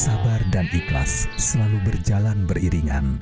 sabar dan ikhlas selalu berjalan beriringan